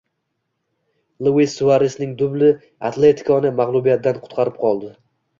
Luis Suaresning dubli “Atletiko”ni mag‘lubiyatdan qutqarib qoldi